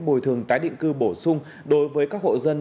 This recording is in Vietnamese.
bồi thường tái định cư bổ sung đối với các hộ dân